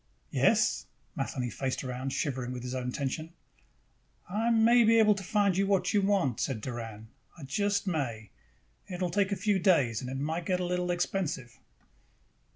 "Yes?" Matheny faced around, shivering with his own tension. "I may be able to find the man you want," said Doran. "I just may. It will take a few days and might get a little expensive."